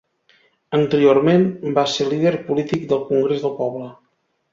Anteriorment, va ser el líder polític del Congrés del Poble.